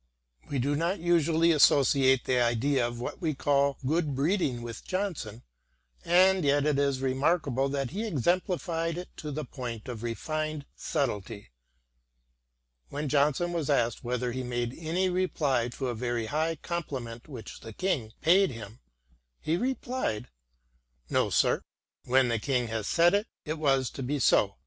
* We do not usually associate the idea of what we call good breeding with Johnson, and yet it is remarkable that he exemplified it to the point of refined subtlety. When Johnson was asked whether he made any reply to a very high compliment which the King paid him, he replied :" No, sir, when the King had said it, it was to be so.